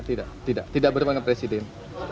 tidak tidak tidak bertemu dengan presiden